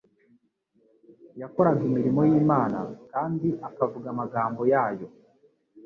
Yakoraga imirimo y'Imana kandi akavuga amagambo yayo.